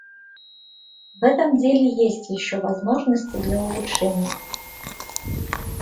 В этом деле есть еще возможности для улучшений.